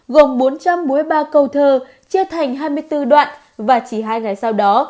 gồm bốn trăm bốn mươi ba câu thơ chia thành hai mươi bốn đoạn và chỉ hai ngày sau đó